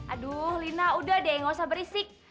aduh lina udah deh gak usah berisik